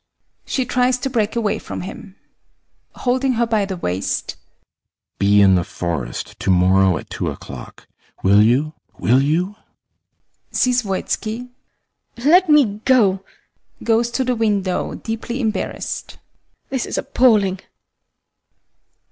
[She tries to break away from him.] ASTROFF. [Holding her by the waist] Be in the forest tomorrow at two o'clock. Will you? Will you? HELENA. [Sees VOITSKI] Let me go! [Goes to the window deeply embarrassed] This is appalling!